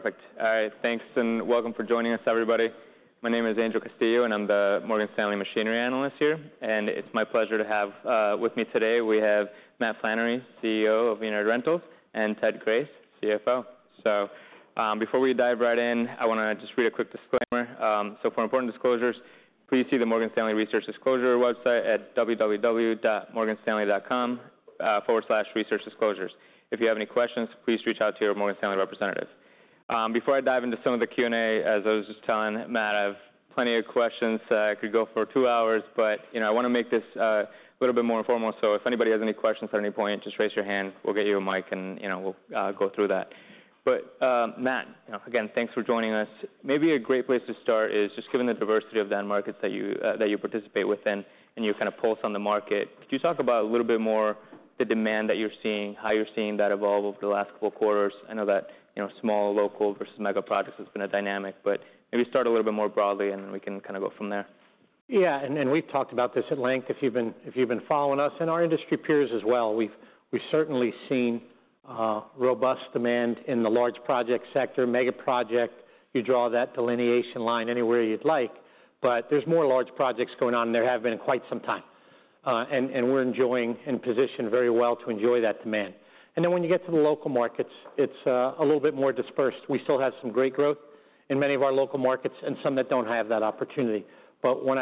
Perfect. All right, thanks, and welcome for joining us, everybody. My name is Angel Castillo, and I'm the Morgan Stanley machinery analyst here, and it's my pleasure to have with me today, we have Matt Flannery, CEO of United Rentals, and Ted Grace, CFO. So, before we dive right in, I wanna just read a quick disclaimer. "So for important disclosures, please see the Morgan Stanley Research Disclosure website at www.morganstanley.com/researchdisclosures. If you have any questions, please reach out to your Morgan Stanley representative." Before I dive into some of the Q&A, as I was just telling Matt, I have plenty of questions. I could go for two hours, but, you know, I wanna make this a little bit more informal. So if anybody has any questions at any point, just raise your hand. We'll get you a mic, and you know, we'll go through that. But Matt, you know, again, thanks for joining us. Maybe a great place to start is just given the diversity of the end markets that you participate within and your kind of pulse on the market. Could you talk about a little bit more the demand that you're seeing, how you're seeing that evolve over the last couple of quarters? I know that you know, small local versus mega projects has been a dynamic, but maybe start a little bit more broadly, and then we can kind of go from there. Yeah, and we've talked about this at length. If you've been following us and our industry peers as well, we've certainly seen robust demand in the large project sector, mega project. You draw that delineation line anywhere you'd like, but there's more large projects going on than there have been in quite some time. And we're enjoying and positioned very well to enjoy that demand. And then, when you get to the local markets, it's a little bit more dispersed. We still have some great growth in many of our local markets and some that don't have that opportunity. But when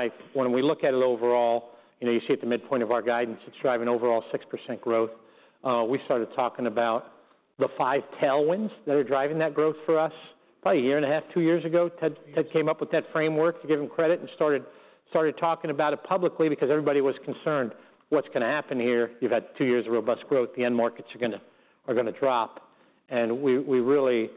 we look at it overall, you know, you see at the midpoint of our guidance, it's driving overall 6% growth. We started talking about the five tailwinds that are driving that growth for us. Probably a year and a half, two years ago, Ted came up with that framework, to give him credit, and started talking about it publicly because everybody was concerned. What's gonna happen here? You've had two years of robust growth. The end markets are gonna drop. And we really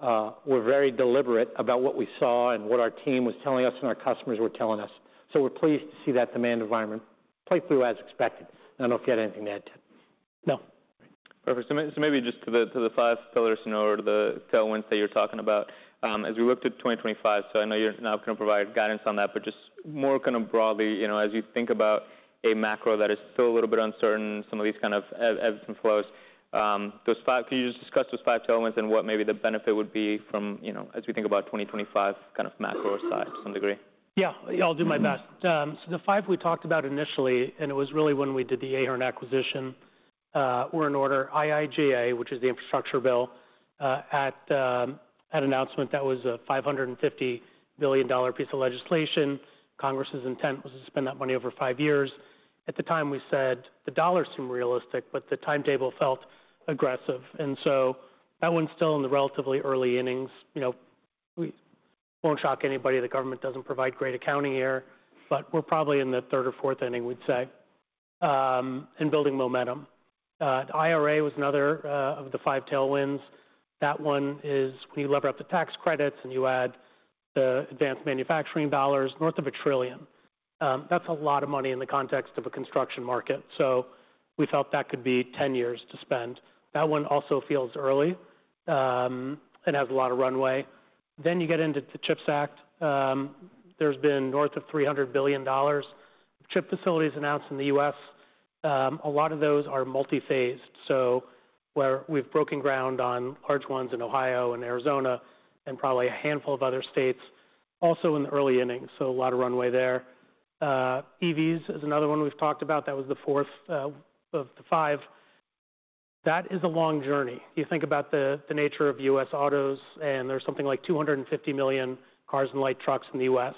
were very deliberate about what we saw and what our team was telling us and our customers were telling us. So we're pleased to see that demand environment play through as expected. I don't have anything to add, Ted? No. Perfect. So maybe just to the five pillars or the tailwinds that you're talking about, as we look to 2025, so I know you're not going to provide guidance on that, but just more kind of broadly, you know, as you think about a macro that is still a little bit uncertain, some of these kind of ebbs and flows, could you just discuss those five tailwinds and what maybe the benefit would be from, you know, as we think about 2025 kind of macro side to some degree? Yeah. I'll do my best. So the five we talked about initially, and it was really when we did the Ahern acquisition, were in order, IIJA, which is the infrastructure bill, at an announcement that was a $550 billion piece of legislation. Congress's intent was to spend that money over five years. At the time, we said the dollars seem realistic, but the timetable felt aggressive, and so that one's still in the relatively early innings. You know, we won't shock anybody. The government doesn't provide great accounting here, but we're probably in the third or fourth inning, we'd say, and building momentum. IRA was another of the five tailwinds. That one is when you lever up the tax credits, and you add the advanced manufacturing dollars, north of $1 trillion. That's a lot of money in the context of a construction market, so we felt that could be ten years to spend. That one also feels early, and has a lot of runway. Then you get into the CHIPS Act. There's been north of $300 billion CHIPS facilities announced in the U.S. A lot of those are multi-phased, so where we've broken ground on large ones in Ohio and Arizona and probably a handful of other states, also in the early innings, so a lot of runway there. EVs is another one we've talked about. That was the fourth, of the five. That is a long journey. You think about the nature of U.S. autos, and there's something like 250 million cars and light trucks in the U.S.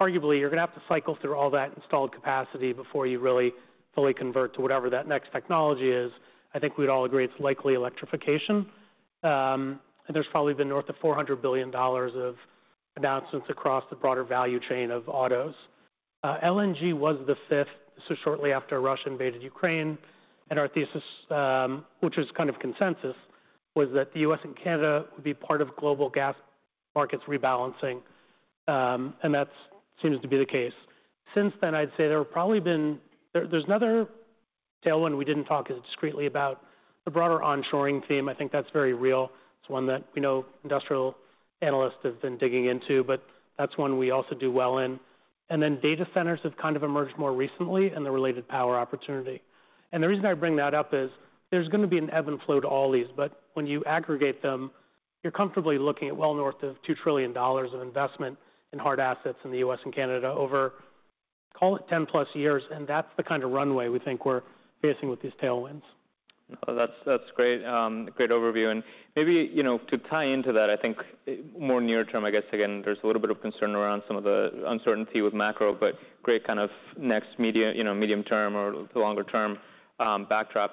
Arguably, you're gonna have to cycle through all that installed capacity before you really fully convert to whatever that next technology is. I think we'd all agree it's likely electrification. And there's probably been north of $400 billion of announcements across the broader value chain of autos. LNG was the fifth, so shortly after Russia invaded Ukraine, and our thesis, which was kind of consensus, was that the U.S. and Canada would be part of global gas markets rebalancing, and that seems to be the case. Since then, I'd say there's another tailwind we didn't talk as discretely about, the broader onshoring theme. I think that's very real. It's one that, you know, industrial analysts have been digging into, but that's one we also do well in. And then, data centers have kind of emerged more recently and the related power opportunity. And the reason I bring that up is there's gonna be an ebb and flow to all these, but when you aggregate them, you're comfortably looking at well north of $2 trillion of investment in hard assets in the U.S. and Canada over, call it, ten plus years, and that's the kind of runway we think we're facing with these tailwinds. Oh, that's, that's great. Great overview, and maybe, you know, to tie into that, I think, more near term, I guess again, there's a little bit of concern around some of the uncertainty with macro, but great kind of medium term or the longer term backdrop.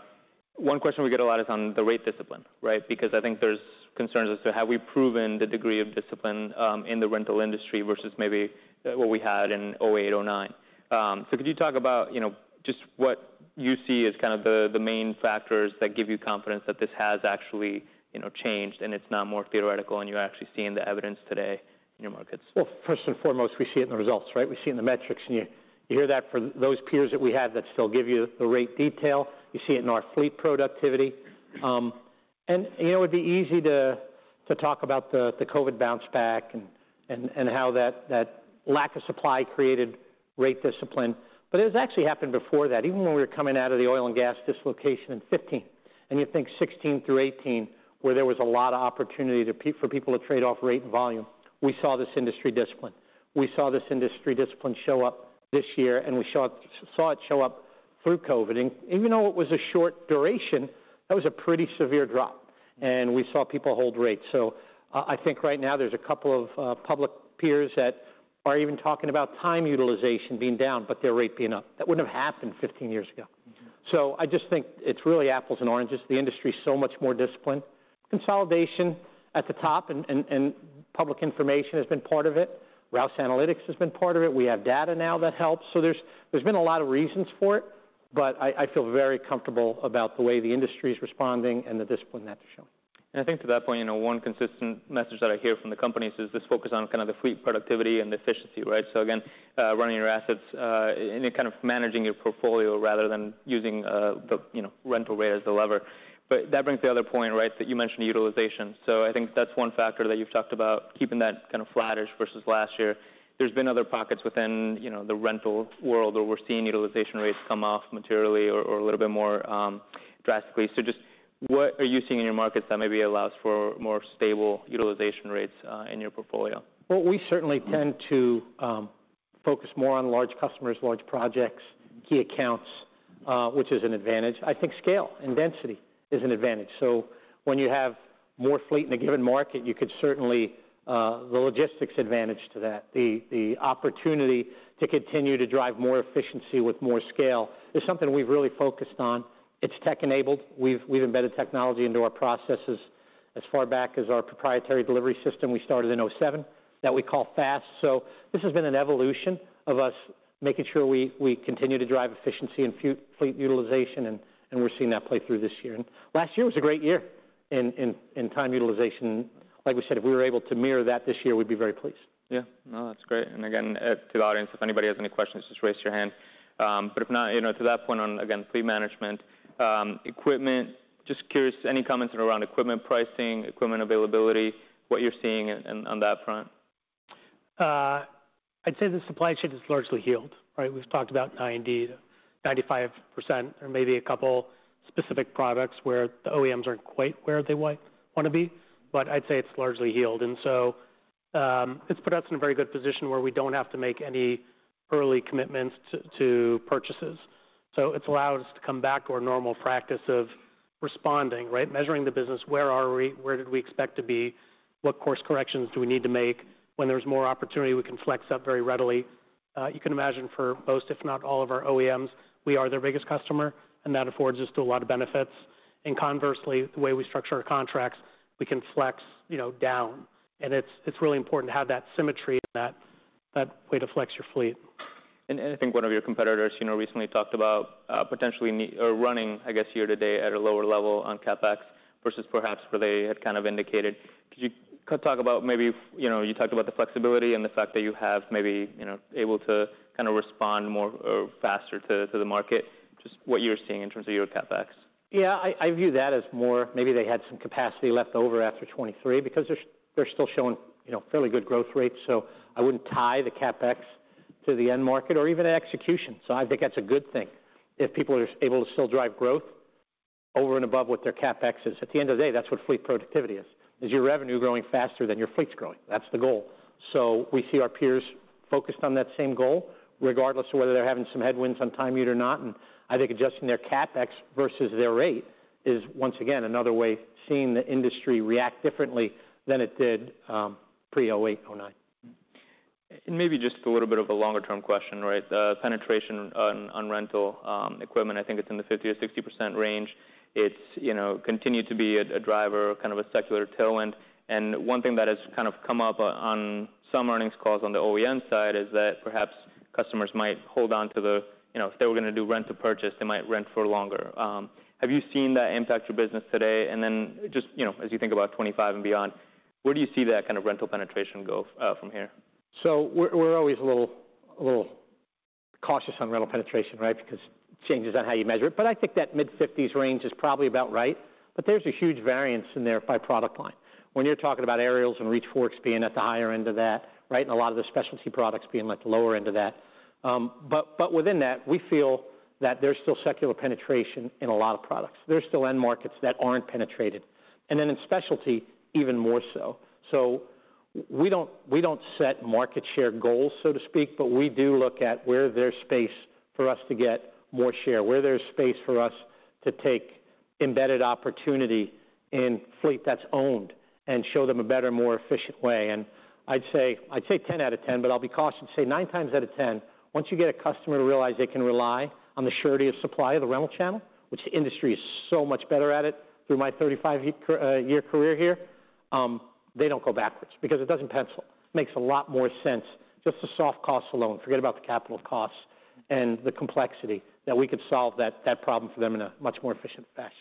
One question we get a lot is on the rate discipline, right? Because I think there's concerns as to have we proven the degree of discipline in the rental industry versus maybe what we had in 2008, 2009. So could you talk about, you know, just what you see as kind of the main factors that give you confidence that this has actually, you know, changed, and it's not more theoretical, and you're actually seeing the evidence today in your markets? First and foremost, we see it in the results, right? We see it in the metrics, and you hear that from those peers that we have that still give you the rate detail. You see it in our fleet productivity. And, you know, it'd be easy to talk about the COVID bounce back and how that lack of supply created- ...rate discipline. But it has actually happened before that, even when we were coming out of the oil and gas dislocation in 2015. And you think 2016 through 2018, where there was a lot of opportunity for people to trade off rate and volume, we saw this industry discipline. We saw this industry discipline show up this year, and we saw it show up through COVID. And even though it was a short duration, that was a pretty severe drop, and we saw people hold rates. So, I think right now there's a couple of public peers that are even talking about time utilization being down, but their rate being up. That wouldn't have happened 15 years ago. Mm-hmm. So I just think it's really apples and oranges. The industry is so much more disciplined. Consolidation at the top and public information has been part of it. Rouse Analytics has been part of it. We have data now that helps, so there's been a lot of reasons for it, but I feel very comfortable about the way the industry is responding and the discipline that's showing. And I think to that point, you know, one consistent message that I hear from the companies is this focus on kind of the fleet productivity and efficiency, right? So again, running your assets, and you're kind of managing your portfolio rather than using the, you know, rental rate as the lever. But that brings the other point, right, that you mentioned utilization. So I think that's one factor that you've talked about, keeping that kind of flattish versus last year. There's been other pockets within, you know, the rental world where we're seeing utilization rates come off materially or a little bit more drastically. So just what are you seeing in your markets that maybe allows for more stable utilization rates in your portfolio? We certainly tend to focus more on large customers, large projects, key accounts, which is an advantage. I think scale and density is an advantage. So when you have more fleet in a given market, you could certainly the logistics advantage to that. The opportunity to continue to drive more efficiency with more scale is something we've really focused on. It's tech-enabled. We've embedded technology into our processes as far back as our proprietary delivery system we started in 2007, that we call FAST. So this has been an evolution of us making sure we continue to drive efficiency and fleet utilization, and we're seeing that play through this year. Last year was a great year in time utilization. Like we said, if we were able to mirror that this year, we'd be very pleased. Yeah. No, that's great, and again, to the audience, if anybody has any questions, just raise your hand. But if not, you know, to that point on, again, fleet management, equipment, just curious, any comments around equipment pricing, equipment availability, what you're seeing on that front? I'd say the supply chain is largely healed, right? We've talked about 90-95% or maybe a couple specific products where the OEMs aren't quite where they want to be, but I'd say it's largely healed, and so it's put us in a very good position where we don't have to make any early commitments to purchases, so it's allowed us to come back to our normal practice of responding, right? Measuring the business, where are we? Where did we expect to be? What course corrections do we need to make? When there's more opportunity, we can flex up very readily. You can imagine for most, if not all, of our OEMs, we are their biggest customer, and that affords us a lot of benefits. Conversely, the way we structure our contracts, we can flex, you know, down, and it's really important to have that symmetry and that way to flex your fleet. I think one of your competitors, you know, recently talked about potentially needing or running, I guess, year to date at a lower level on CapEx versus perhaps where they had kind of indicated. Could you kind of talk about maybe, you know, you talked about the flexibility and the fact that you have maybe, you know, able to kind of respond more or faster to the market, just what you're seeing in terms of your CapEx? Yeah, I view that as more maybe they had some capacity left over after 2023 because they're still showing, you know, fairly good growth rates. So I wouldn't tie the CapEx to the end market or even execution. So I think that's a good thing. If people are able to still drive growth over and above what their CapEx is, at the end of the day, that's what fleet productivity is, is your revenue growing faster than your fleet's growing? That's the goal. So we see our peers focused on that same goal, regardless of whether they're having some headwinds on time unit or not, and I think adjusting their CapEx versus their rate is, once again, another way of seeing the industry react differently than it did pre-2008, 2009. Mm-hmm. And maybe just a little bit of a longer-term question, right? The penetration on rental equipment, I think it's in the 50%-60% range. It's continued to be a driver, kind of a secular tailwind, and one thing that has kind of come up on some earnings calls on the OEM side is that perhaps customers might hold on to the... You know, if they were going to do rent-to-purchase, they might rent for longer. Have you seen that impact your business today? And then just, you know, as you think about 2025 and beyond, where do you see that kind of rental penetration go from here? So we're always a little cautious on rental penetration, right? Because it changes on how you measure it, but I think that mid-fifties range is probably about right. But there's a huge variance in there by product line. When you're talking about aerials and reach forks being at the higher end of that, right, and a lot of the specialty products being at the lower end of that. But within that, we feel that there's still secular penetration in a lot of products. There's still end markets that aren't penetrated, and then in specialty, even more so. We don't set market share goals, so to speak, but we do look at where there's space for us to get more share, where there's space for us to take embedded opportunity in fleet that's owned and show them a better, more efficient way. I'd say ten out of ten, but I'll be cautious and say nine times out of ten, once you get a customer to realize they can rely on the surety of supply of the rental channel, which the industry is so much better at it through my thirty-five year career here, they don't go backwards because it doesn't pencil. Makes a lot more sense, just the soft costs alone, forget about the capital costs and the complexity, that we could solve that problem for them in a much more efficient fashion.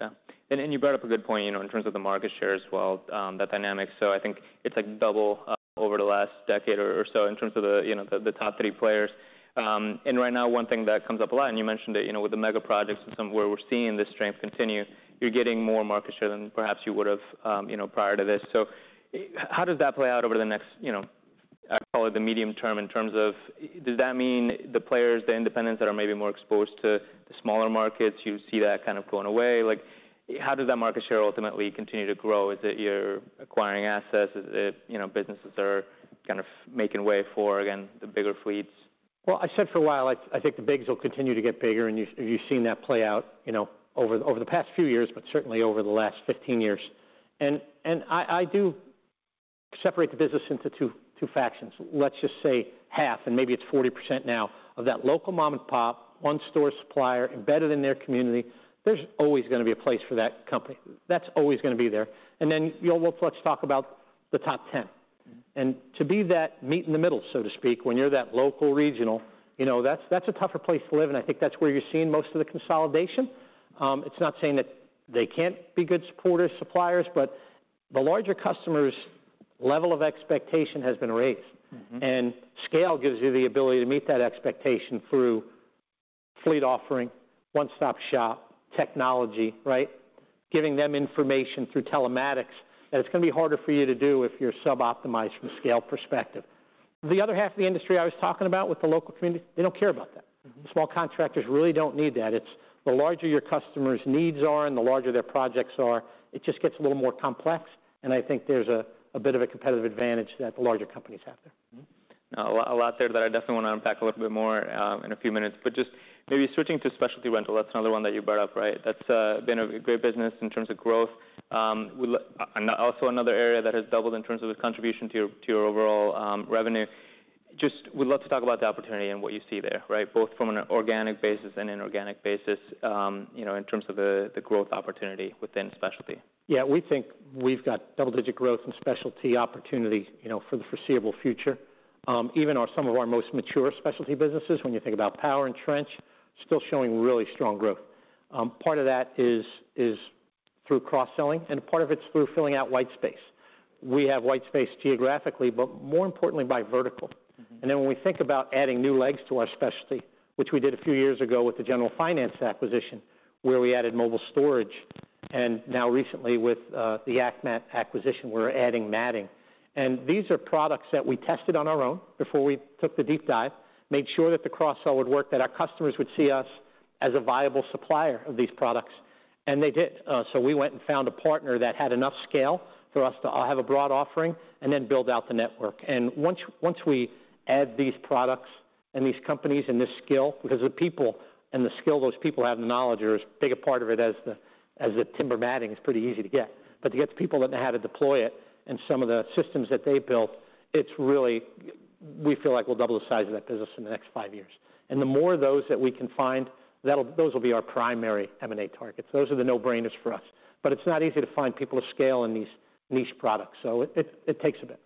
Yeah. And you brought up a good point, you know, in terms of the market share as well, the dynamics. So I think it's like double over the last decade or so in terms of you know the top three players. And right now, one thing that comes up a lot, and you mentioned it, you know, with the mega projects and somewhere we're seeing this strength continue, you're getting more market share than perhaps you would've, you know, prior to this. So how does that play out over the next, you know, I call it the medium term in terms of, does that mean the players, the independents, that are maybe more exposed to the smaller markets, you see that kind of going away? Like, how does that market share ultimately continue to grow? Is it you're acquiring assets? Is it, you know, businesses are kind of making way for, again, the bigger fleets? I said for a while, I think the bigs will continue to get bigger, and you've seen that play out, you know, over the past few years, but certainly over the last fifteen years. And I do separate the business into two factions. Let's just say half, and maybe it's 40% now, of that local mom-and-pop, one-store supplier, embedded in their community, there's always gonna be a place for that company. That's always gonna be there. And then, you know, well, let's talk about the top ten. And to be that meet in the middle, so to speak, when you're that local regional, you know, that's a tougher place to live, and I think that's where you're seeing most of the consolidation. It's not saying that they can't be good supporters, suppliers, but the larger customers' level of expectation has been raised. Mm-hmm. Scale gives you the ability to meet that expectation through fleet offering, one-stop shop, technology, right? Giving them information through telematics, that it's gonna be harder for you to do if you're sub-optimized from a scale perspective. The other half of the industry I was talking about, with the local community, they don't care about that. Mm-hmm. Small contractors really don't need that. It's the larger your customers' needs are, and the larger their projects are, it just gets a little more complex, and I think there's a bit of a competitive advantage that the larger companies have there. Mm-hmm. Now, a lot, a lot there that I definitely want to unpack a little bit more in a few minutes. But just maybe switching to specialty rental, that's another one that you brought up, right? That's been a great business in terms of growth, and also another area that has doubled in terms of its contribution to your overall revenue. Just would love to talk about the opportunity and what you see there, right? Both from an organic basis and inorganic basis, you know, in terms of the growth opportunity within specialty. Yeah, we think we've got double-digit growth and specialty opportunity, you know, for the foreseeable future. Even our, some of our most mature specialty businesses, when you think about power and trench, still showing really strong growth. Part of that is through cross-selling, and part of it's through filling out white space. We have white space geographically, but more importantly, by vertical. Mm-hmm. And then, when we think about adding new legs to our specialty, which we did a few years ago with the General Finance acquisition, where we added mobile storage, and now recently with the Yak Access acquisition, we're adding matting. And these are products that we tested on our own before we took the deep dive, made sure that the cross-sell would work, that our customers would see us as a viable supplier of these products, and they did. So we went and found a partner that had enough scale for us to have a broad offering and then build out the network. And once we add these products and these companies and this skill, because the people and the skill those people have, the knowledge is as big a part of it as the timber matting is pretty easy to get. But to get the people that know how to deploy it and some of the systems that they built, it's really... We feel like we'll double the size of that business in the next five years. And the more of those that we can find, those will be our primary M&A targets. Those are the no-brainers for us. But it's not easy to find people of scale in these niche products, so it takes a bit.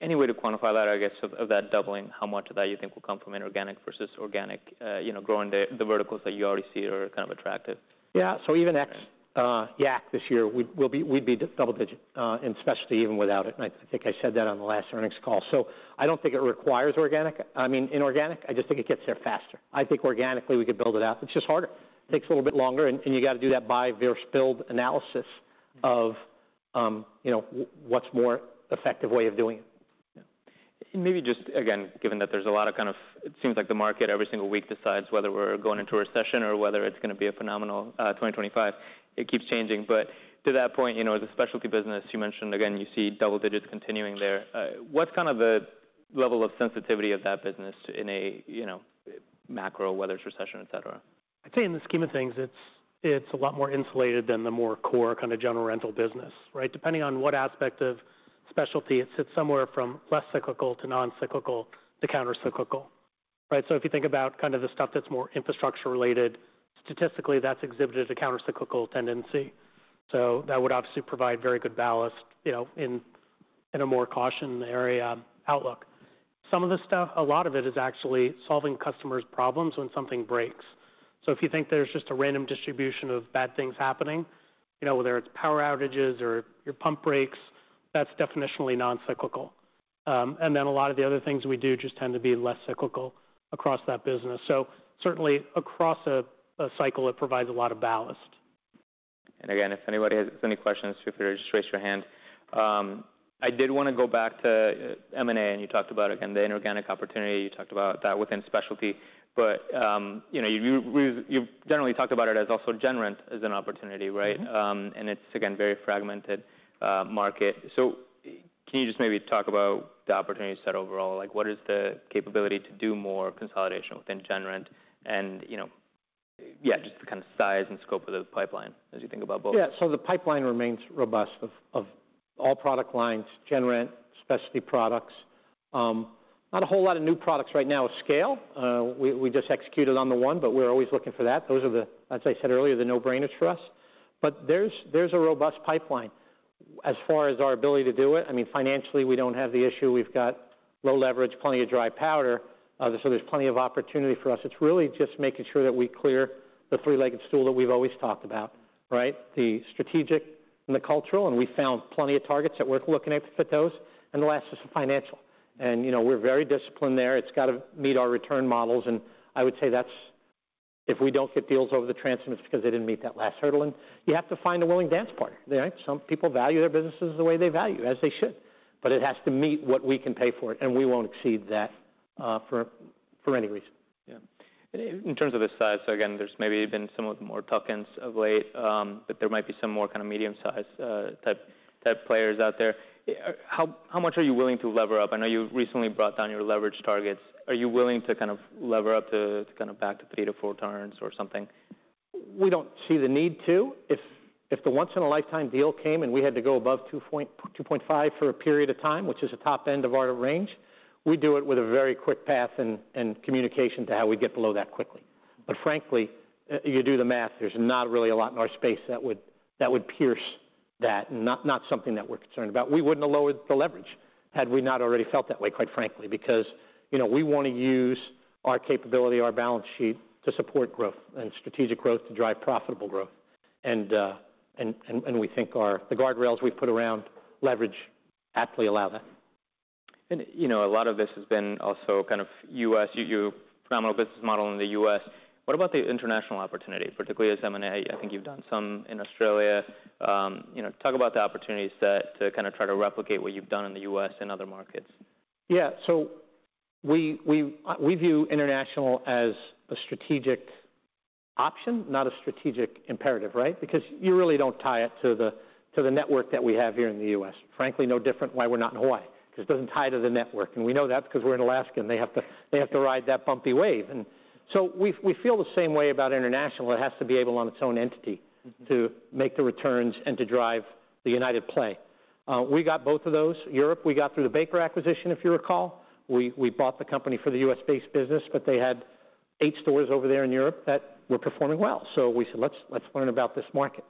Any way to quantify that, I guess, of that doubling? How much of that you think will come from inorganic versus organic, you know, growing the verticals that you already see are kind of attractive? Yeah. So even ex-Yak this year, we'd be double digit in specialty even without it, and I think I said that on the last earnings call. I don't think it requires organic, I mean, inorganic. I just think it gets there faster. I think organically we could build it out. It's just harder. Takes a little bit longer, and you got to do that by very specific analysis of what's more effective way of doing it. Yeah. And maybe just, again, given that there's a lot of, kind of... It seems like the market, every single week, decides whether we're going into a recession or whether it's gonna be a phenomenal 2025. It keeps changing. But to that point, you know, the specialty business, you mentioned again, you see double digits continuing there. What's kind of the level of sensitivity of that business in a, you know, macro, whether it's recession, et cetera? I'd say in the scheme of things, it's a lot more insulated than the more core, kind of, general rental business, right? Depending on what aspect of specialty, it sits somewhere from less cyclical to non-cyclical to counter-cyclical. Right, so if you think about kind of the stuff that's more infrastructure-related, statistically, that's exhibited a counter-cyclical tendency. So that would obviously provide very good ballast, you know, in a more cautioned area outlook. Some of the stuff, a lot of it is actually solving customers' problems when something breaks. So if you think there's just a random distribution of bad things happening, you know, whether it's power outages or your pump breaks, that's definitionally non-cyclical. And then a lot of the other things we do just tend to be less cyclical across that business. So certainly, across a cycle, it provides a lot of ballast. Again, if anybody has any questions, feel free to just raise your hand. I did want to go back to M&A, and you talked about, again, the inorganic opportunity. You talked about that within specialty, but you know, you've generally talked about it as also gen rent as an opportunity, right? Mm-hmm. And it's again very fragmented market. So can you just maybe talk about the opportunities set overall? Like, what is the capability to do more consolidation within gen rent and, you know, yeah, just the kind of size and scope of the pipeline as you think about both? Yeah. So the pipeline remains robust of all product lines, gen rent, specialty products. Not a whole lot of new products right now with scale. We just executed on the one, but we're always looking for that. Those are the, as I said earlier, the no-brainers for us, but there's a robust pipeline. As far as our ability to do it, I mean, financially, we don't have the issue. We've got low leverage, plenty of dry powder, so there's plenty of opportunity for us. It's really just making sure that we clear the three-legged stool that we've always talked about, right? The strategic and the cultural, and we found plenty of targets that we're looking at to fit those, and the last is the financial, and you know, we're very disciplined there. It's got to meet our return models, and I would say that's... If we don't get deals over the transom, it's because they didn't meet that last hurdle, and you have to find a willing dance partner, right? Some people value their businesses the way they value, as they should, but it has to meet what we can pay for it, and we won't exceed that, for any reason. Yeah. In terms of the size, so again, there's maybe been some of the more tuck-ins of late, but there might be some more kind of medium-sized, type players out there. How much are you willing to lever up? I know you recently brought down your leverage targets. Are you willing to kind of lever up to kind of back to three to four turns or something? We don't see the need to. If the once-in-a-lifetime deal came, and we had to go above two point five for a period of time, which is the top end of our range, we'd do it with a very quick path and communication to how we get below that quickly. But frankly, you do the math, there's not really a lot in our space that would pierce that. Not something that we're concerned about. We wouldn't have lowered the leverage had we not already felt that way, quite frankly, because, you know, we want to use our capability, our balance sheet, to support growth and strategic growth to drive profitable growth. And we think our guardrails we've put around leverage aptly allow that. You know, a lot of this has been also kind of U.S., phenomenal business model in the U.S. What about the international opportunity, particularly as M&A? I think you've done some in Australia. You know, talk about the opportunities to kind of try to replicate what you've done in the U.S. and other markets. Yeah, so we view international as a strategic option, not a strategic imperative, right? Because you really don't tie it to the network that we have here in the U.S. Frankly, no different why we're not in Hawaii, 'cause it doesn't tie to the network, and we know that because we're in Alaska, and they have to ride that bumpy wave. And so we feel the same way about international. It has to be able, on its own entity, to make the returns and to drive the United play. We got both of those. Europe, we got through the Baker acquisition, if you recall. We bought the company for the U.S.-based business, but they had eight stores over there in Europe that were performing well. So we said, "Let's learn about this market."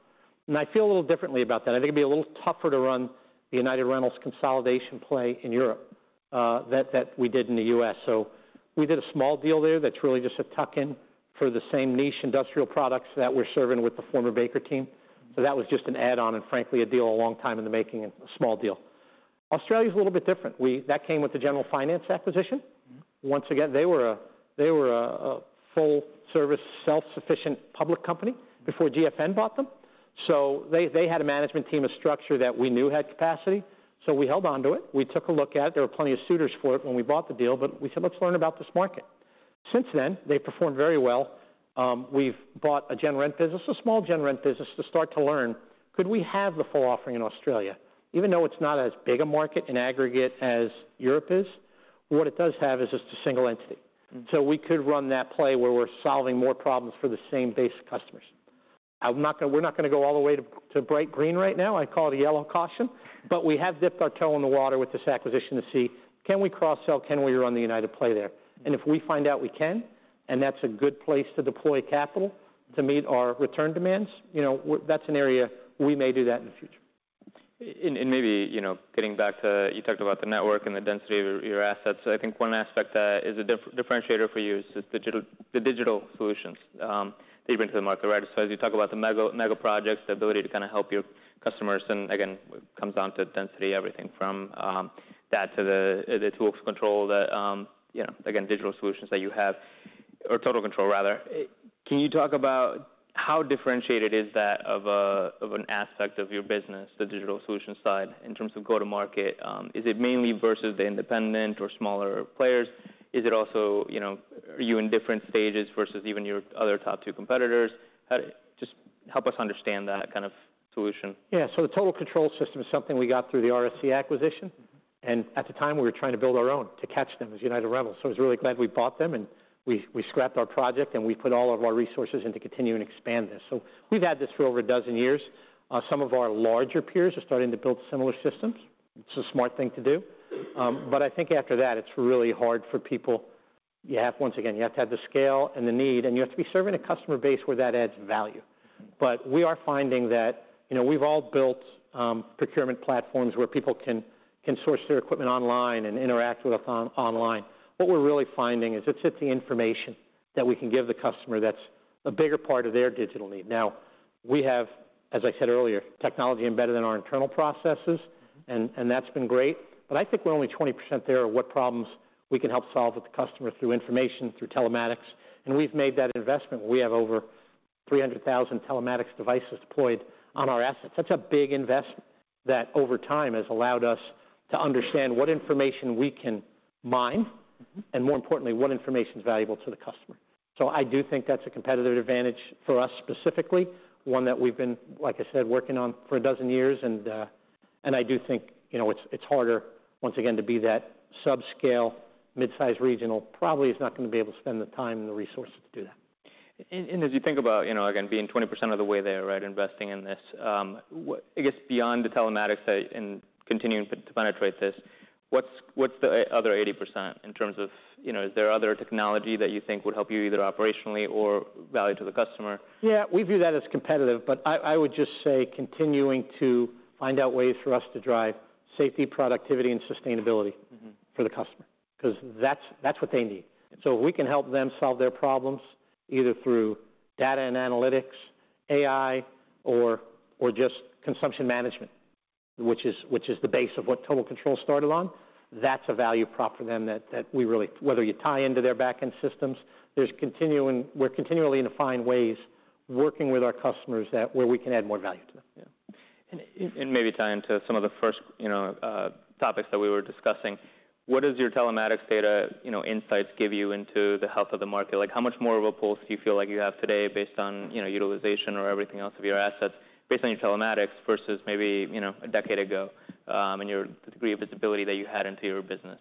And I feel a little differently about that. I think it'd be a little tougher to run the United Rentals consolidation play in Europe, that we did in the U.S. So we did a small deal there that's really just a tuck-in for the same niche industrial products that we're serving with the former Baker team. So that was just an add-on and frankly, a deal a long time in the making and a small deal. Australia's a little bit different. That came with the General Finance acquisition. Mm-hmm. Once again, they were a full-service, self-sufficient public company before GFN bought them. So they had a management team, a structure that we knew had capacity, so we held onto it. We took a look at it. There were plenty of suitors for it when we bought the deal, but we said, "Let's learn about this market." Since then, they've performed very well. We've bought a gen rent business, a small gen rent business, to start to learn, could we have the full offering in Australia? Even though it's not as big a market in aggregate as Europe is, what it does have is just a single entity. So we could run that play where we're solving more problems for the same base of customers. I'm not gonna. We're not gonna go all the way to bright green right now. I'd call it a yellow caution, but we have dipped our toe in the water with this acquisition to see, can we cross-sell? Can we run the United play there? And if we find out we can, and that's a good place to deploy capital to meet our return demands, you know, that's an area we may do that in the future. Maybe you know, getting back to... You talked about the network and the density of your assets. So I think one aspect is a differentiator for you: just digital, the digital solutions you've been to the market, right? So as you talk about the mega projects, the ability to kind of help your customers, and again, it comes down to density, everything from that to the Total Control, you know, again, digital solutions that you have or Total Control rather. Can you talk about how differentiated is that of an aspect of your business, the digital solutions side, in terms of go-to-market? Is it mainly versus the independent or smaller players? Is it also, you know, are you in different stages versus even your other top two competitors? Just help us understand that kind of solution. Yeah, so the Total Control system is something we got through the RSC acquisition. At the time, we were trying to build our own to catch them as United Rentals. I was really glad we bought them, and we scrapped our project, and we put all of our resources into continue and expand this. We've had this for over a dozen years. Some of our larger peers are starting to build similar systems. It's a smart thing to do. But I think after that, it's really hard for people. You have, once again, to have the scale and the need, and you have to be serving a customer base where that adds value. Mm-hmm. But we are finding that, you know, we've all built procurement platforms where people can source their equipment online and interact with us online. What we're really finding is it's just the information that we can give the customer that's a bigger part of their digital need. Now, we have, as I said earlier, technology embedded in our internal processes. Mm-hmm. and that's been great, but I think we're only 20% there of what problems we can help solve with the customer through information, through telematics, and we've made that investment. We have over 300,000 telematics devices deployed on our assets. That's a big investment that, over time, has allowed us to understand what information we can mine- Mm-hmm. and more importantly, what information is valuable to the customer. So I do think that's a competitive advantage for us specifically, one that we've been, like I said, working on for a dozen years. And I do think, you know, it's harder, once again, to be that subscale, mid-sized regional probably is not gonna be able to spend the time and the resources to do that. As you think about, you know, again, being 20% of the way there, right, investing in this, I guess beyond the telematics side and continuing to penetrate this, what's the other 80% in terms of, you know, is there other technology that you think would help you, either operationally or value to the customer? Yeah, we view that as competitive, but I would just say continuing to find out ways for us to drive safety, productivity, and sustainability. Mm-hmm. for the customer, 'cause that's, that's what they need. So if we can help them solve their problems, either through data and analytics, AI, or, or just consumption management, which is, which is the base of what Total Control started on, that's a value prop for them that, that we really, whether you tie into their back-end systems, there's continuing, we're continually to find ways working with our customers that where we can add more value to them, yeah. And maybe tie into some of the first, you know, topics that we were discussing. What does your telematics data, you know, insights give you into the health of the market? Like, how much more of a pulse do you feel like you have today based on, you know, utilization or everything else of your assets, based on your telematics versus maybe, you know, a decade ago, and your degree of visibility that you had into your business?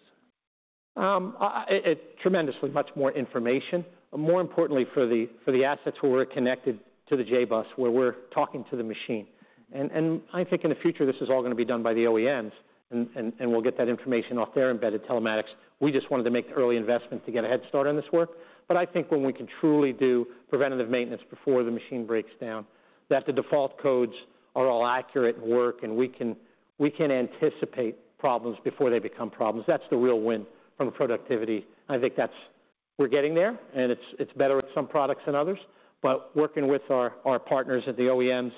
It's tremendously much more information. But more importantly, for the assets where we're connected to the J-Bus, where we're talking to the machine. I think in the future, this is all gonna be done by the OEMs, and we'll get that information off their embedded telematics. We just wanted to make the early investment to get a head start on this work. But I think when we can truly do preventative maintenance before the machine breaks down, that the default codes are all accurate and work, and we can anticipate problems before they become problems, that's the real win from a productivity. I think that's... We're getting there, and it's better with some products than others. But working with our partners at the OEMs,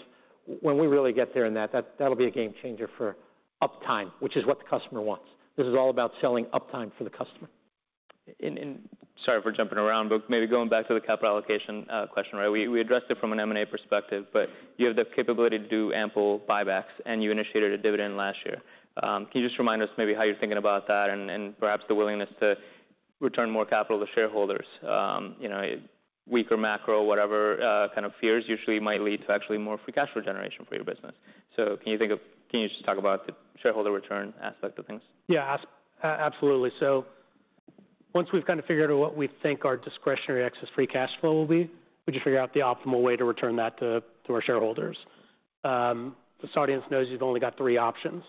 when we really get there in that, that'll be a game changer for uptime, which is what the customer wants. This is all about selling uptime for the customer. Sorry for jumping around, but maybe going back to the capital allocation question, right? We addressed it from an M&A perspective, but you have the capability to do ample buybacks, and you initiated a dividend last year. Can you just remind us maybe how you're thinking about that and perhaps the willingness to return more capital to shareholders? You know, weaker macro, whatever kind of fears usually might lead to actually more free cash flow generation for your business. So can you just talk about the shareholder return aspect of things? Yeah, absolutely. So once we've kind of figured out what we think our discretionary excess free cash flow will be, we just figure out the optimal way to return that to our shareholders. This audience knows you've only got three options.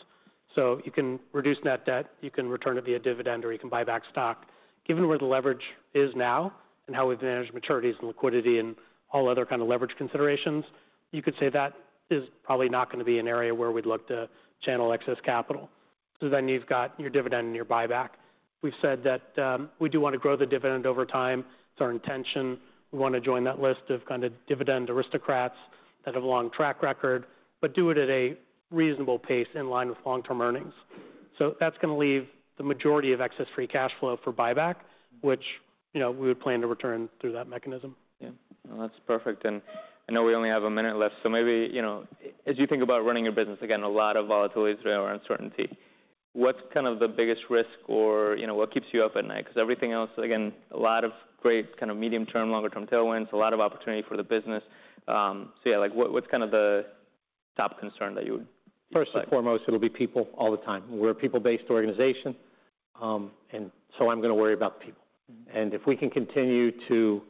So you can reduce net debt, you can return it via dividend, or you can buy back stock. Given where the leverage is now and how we've managed maturities and liquidity and all other kind of leverage considerations, you could say that is probably not gonna be an area where we'd look to channel excess capital. So then you've got your dividend and your buyback. We've said that we do want to grow the dividend over time. It's our intention. We want to join that list of kind of dividend aristocrats that have a long track record, but do it at a reasonable pace in line with long-term earnings. So that's gonna leave the majority of excess free cash flow for buyback, which, you know, we would plan to return through that mechanism. Yeah. Well, that's perfect. And I know we only have a minute left, so maybe, you know, as you think about running your business, again, a lot of volatility or uncertainty, what's kind of the biggest risk or, you know, what keeps you up at night? Because everything else, again, a lot of great kind of medium-term, longer-term tailwinds, a lot of opportunity for the business. So yeah, like, what, what's kind of the top concern that you- First and foremost, it'll be people all the time. We're a people-based organization, and so I'm gonna worry about the people. Mm-hmm. And if we can continue to,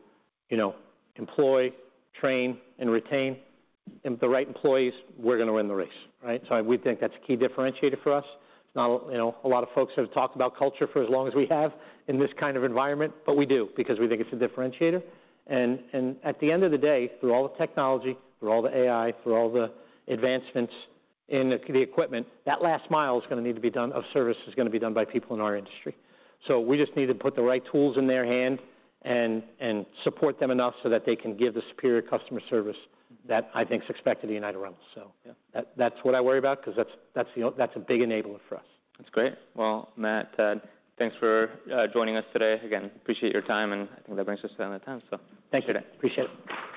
you know, employ, train, and retain the right employees, we're gonna win the race, right? So we think that's a key differentiator for us. Not, you know, a lot of folks have talked about culture for as long as we have in this kind of environment, but we do because we think it's a differentiator. And at the end of the day, through all the technology, through all the AI, through all the advancements in the equipment, that last mile of service is gonna need to be done by people in our industry. So we just need to put the right tools in their hand and support them enough so that they can give the superior customer service that I think is expected in United Rentals. So yeah, that's what I worry about, 'cause that's a big enabler for us. That's great. Well, Matt, Ted, thanks for joining us today. Again, appreciate your time, and I think that brings us to end of time, so thank you. Thank you. Appreciate it.